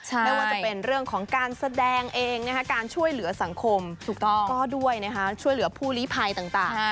ไม่ว่าจะเป็นเรื่องของการแสดงเองการช่วยเหลือสังคมก็ด้วยช่วยเหลือผู้ลิภัยต่าง